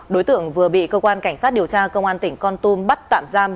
đối tượng vừa bị cơ quan cảnh sát điều tra công an tỉnh con tum bắt tạm giam